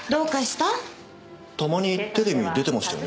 たまにテレビに出てましたよね